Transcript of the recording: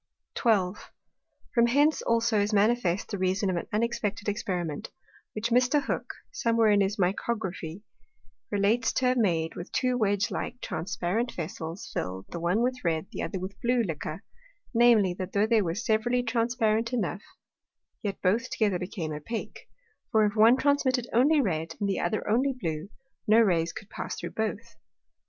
12. From hence also is manifest the reason of an unexpected Experiment, which Mr. Hook, somewhere in his Micrography, relates to have made with two wedge like transparent Vessels fill'd, the one with a red, the other with a blue Liquor; namely, that though they were severally transparent enough, yet both together became opake: For, if one transmitted only red, and the other only blue, no Rays could pass through both.